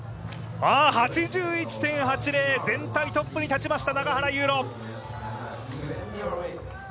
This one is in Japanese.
８１．８０、全体トップに立ちました、永原悠路。